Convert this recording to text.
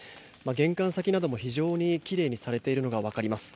玄関先なども非常にきれいにされているのが分かります。